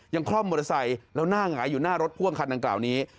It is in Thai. คล่อมมอเตอร์ไซค์แล้วหน้าหงายอยู่หน้ารถพ่วงคันดังกล่าวนี้